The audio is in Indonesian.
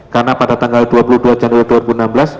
karena pada tanggal dua puluh dua januari dua ribu enam belas